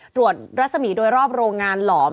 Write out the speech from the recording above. รัศมีร์โดยรอบโรงงานหลอม